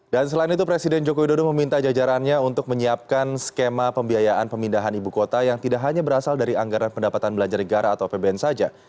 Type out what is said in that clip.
dan selain itu presiden jokowi dodo meminta jajarannya untuk menyiapkan skema pembiayaan pemindahan ibu kota yang tidak hanya berasal dari anggaran pendapatan belanja negara atau apbn saja